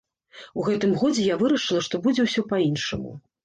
У гэтым годзе я вырашыла, што будзе ўсё па-іншаму.